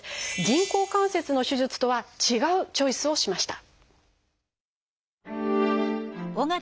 人工関節の手術とは違うチョイスをしました。